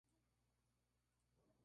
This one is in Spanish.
Pertenece al Catálogo Caldwell